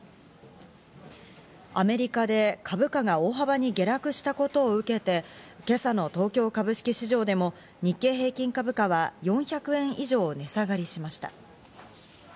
アメリカで株価が大幅に下落したことを受けて今朝の東京株式市場でも日経平均株価は４００円以上、値下がりしました。